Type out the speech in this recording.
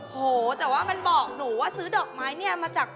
โอ้โฮแต่ว่ามันบอกหนูว่าซื้อดอกไม้มาจาก